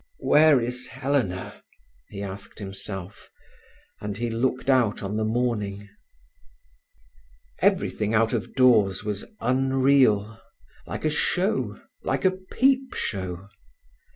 "Where is Helena?" he asked himself, and he looked out on the morning. Everything out of doors was unreal, like a show, like a peepshow.